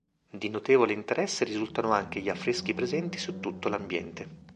Di notevole interesse Risultano anche gli affreschi presenti su tutto l'ambiente.